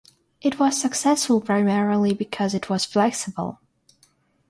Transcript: It was successful primarily because it was flexible.